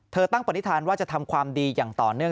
ตั้งปณิธานว่าจะทำความดีอย่างต่อเนื่อง